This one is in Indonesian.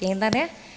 ya intan ya